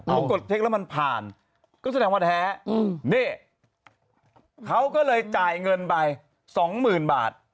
ปรากฏเช็คแล้วมันผ่านก็แสดงว่าแท้นี่เขาก็เลยจ่ายเงินไป๒๐๐๐๐บาท